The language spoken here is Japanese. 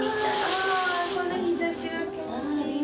ああこの日差しが気持ちいい。